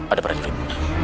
ada peran fik